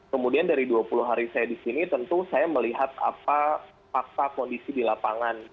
kemudian dari dua puluh hari saya di sini tentu saya melihat apa fakta kondisi di lapangan